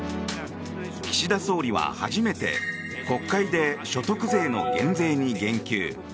岸田総理は初めて国会で所得税の減税に言及。